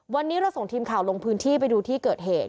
วันนี้เราส่งทีมข่าวลงพื้นที่ไปดูที่เกิดเหตุ